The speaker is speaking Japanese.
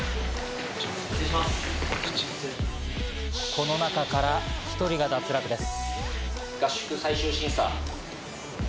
この中から１人が脱落です。